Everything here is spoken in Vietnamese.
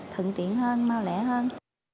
thận tiện hơn mau lẽ hơn